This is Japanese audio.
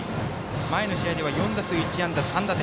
前の試合では４打数１安打３打点。